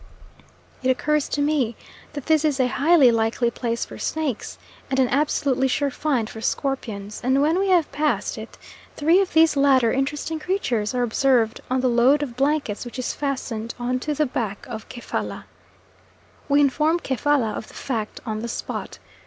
It occurs to me that this is a highly likely place for snakes and an absolutely sure find for scorpions, and when we have passed it three of these latter interesting creatures are observed on the load of blankets which is fastened on to the back of Kefalla. We inform Kefalla of the fact on the spot.